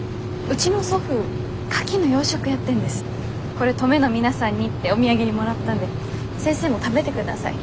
これ登米の皆さんにってお土産にもらったんで先生も食べてください。